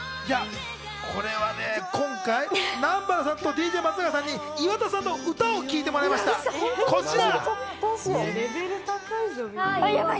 これはねぇ、今回、南原さんとＤＪ松永さんに岩田さんの歌を聴いてもらいました、こちら。